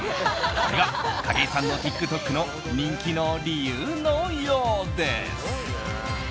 これが景井さんのＴｉｋＴｏｋの人気の理由のようです。